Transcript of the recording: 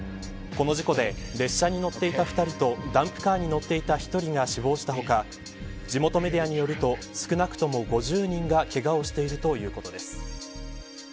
この事故で列車に乗っていた２人とダンプカーに乗っていた１人が死亡したほか地元メディアによると少なくとも５０人がけがをしているということです。